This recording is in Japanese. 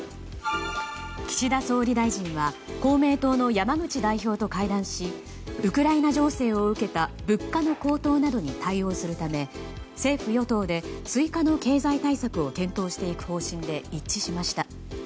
岸田総理大臣は公明党の山口代表と会談しウクライナ情勢を受けた物価の高騰などに対応するため政府・与党で追加の経済対策を検討していく方針で一致しました。